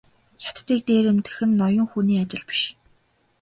Хятадыг дээрэмдэх нь ноён хүний ажил биш.